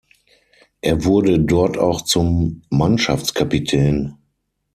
Er wurde dort auch zum Mannschaftskapitän.